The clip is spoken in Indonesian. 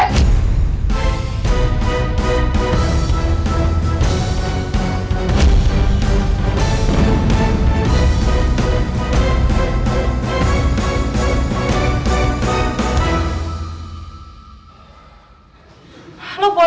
kau mau pergi dari rumah gue